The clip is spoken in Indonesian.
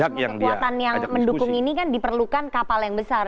tapi untuk menghampus semua kekuatan yang mendukung ini kan diperlukan kapal yang besar